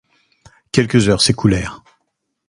Quelques heures s'écoulèrent.